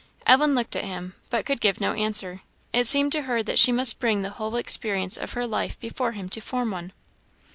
Ellen looked at him, but could give no answer; it seemed to her that she must bring the whole experience of her life before him to form one.